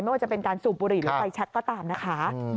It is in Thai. ไม่ว่าจะเป็นการสูบบุหรี่หรือไฟแช็คก็ตามนะคะ